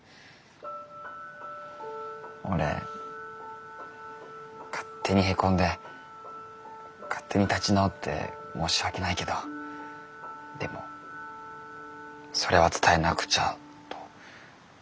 俺勝手にへこんで勝手に立ち直って申し訳ないけどでもそれは伝えなくちゃと心の整理をしてきました。